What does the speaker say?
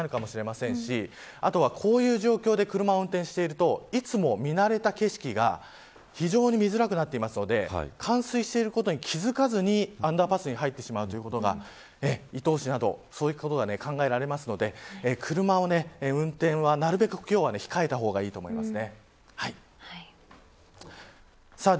視界が悪くなっているということは車の運転などもこの後、危険な状況になるかもしれませんしこういう状況で車を運転しているといつも見慣れた景色が非常に見づらくなっているので冠水していることに気づかずにアンダーパスに入ってしまうということが伊東市など、そういうことが考えられますので車の運転は、なるべく今日は控えた方がいいと思います。